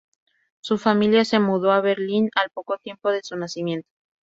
Su familia se mudó a Berlín al poco tiempo de su nacimiento.